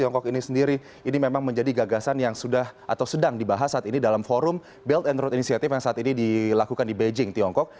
tiongkok ini sendiri ini memang menjadi gagasan yang sudah atau sedang dibahas saat ini dalam forum belt and road initiative yang saat ini dilakukan di beijing tiongkok